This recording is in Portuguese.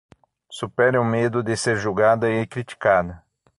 Supere o medo de ser julgada e criticada